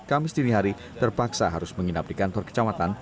kamis dini hari terpaksa harus menginap di kantor kecamatan